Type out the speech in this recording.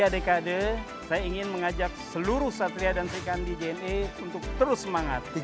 tiga dekade saya ingin mengajak seluruh satria dan seikan di jna untuk terus semangat